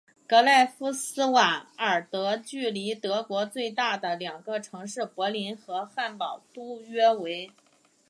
格赖夫斯瓦尔德距离德国最大的两个城市柏林和汉堡都约为。